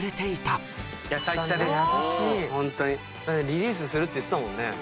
リリースするって言ってたもんね。